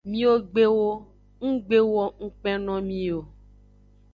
Miwo gbewo nggbe wo ngukpe no mi o.